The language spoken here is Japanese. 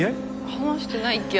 話してないっけ？